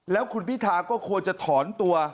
แล้วคุณพิธาก็ควรจะถอนตัว